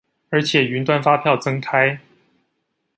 而且雲端發票增開